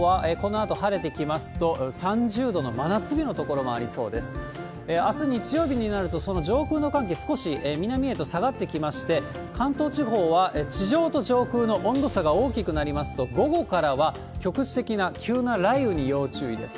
あす日曜日になると、その上空の寒気、少し南へと下がってきまして、関東地方は地上と上空の温度差が大きくなりますと、午後からは局地的な急な雷雨に要注意です。